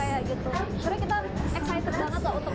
jadi kita excited banget untuk naik transportasi umum